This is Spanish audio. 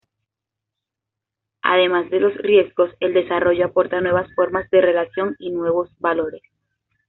Además de los riesgos, el desarrollo aporta nuevas formas de relación y nuevos valores.